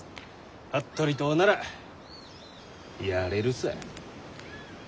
服部党ならやれるさ。